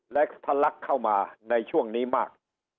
และทะลักเข้ามาในช่วงนี้มาก